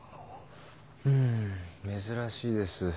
うん珍しいです。